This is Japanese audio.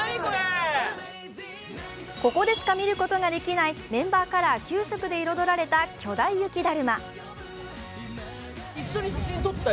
ここでしか見ることができないメンバーカラー９色で彩られた巨大雪だるま。